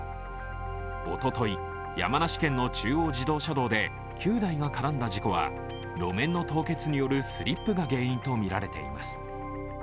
おととい、山梨県の中央自動車道で９台が絡んだ事故は路面の凍結によるスリップが原因とみられています。